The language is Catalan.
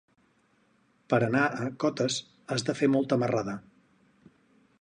Per anar a Cotes has de fer molta marrada.